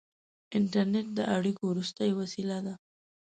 • انټرنېټ د اړیکو وروستۍ وسیله ده.